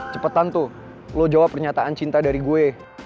cepetan tuh lo jawab pernyataan cinta dari gue